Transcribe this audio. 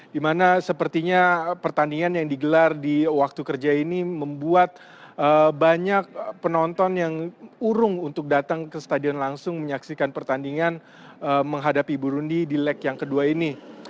dimana sepertinya pertandingan yang digelar di waktu kerja ini membuat banyak penonton yang urung untuk datang ke stadion langsung menyaksikan pertandingan menghadapi burundi di leg yang kedua ini